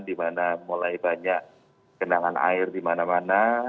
di mana mulai banyak kenangan air di mana mana